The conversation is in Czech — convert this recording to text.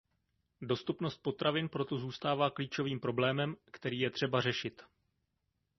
Dostupnost potravin proto zůstává klíčovým problémem, který je třeba řešit.